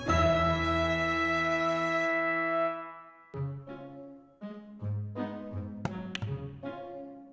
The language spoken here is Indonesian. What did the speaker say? aku maaf pak aduh